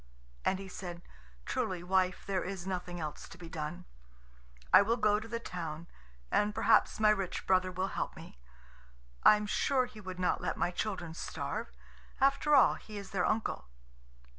And he said: "Truly, wife, there is nothing else to be done. I will go to the town, and perhaps my rich brother will help me. I am sure he would not let my children starve. After all, he is their uncle."